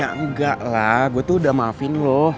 ya enggak lah gue tuh udah maafin loh